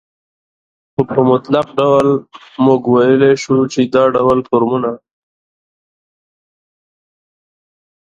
خو په مطلق ډول موږ وويلى شو، چې دا ډول فورمونه